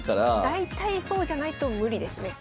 大体そうじゃないと無理ですね。